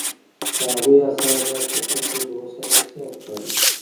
د هغوی اثار باید په ښه توګه وساتل شي او خپاره شي